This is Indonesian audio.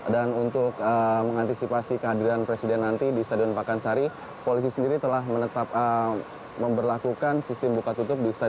dan untuk mengantisipasi kehadiran presiden nanti di stadion pakansari polisi sendiri telah menetap memberlakukan sistem buka tutup di area sekitar